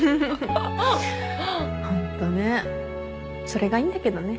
それがいいんだけどね。